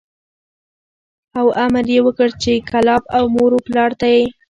او امر یې وکړ چې کلاب او مور و پلار ته یې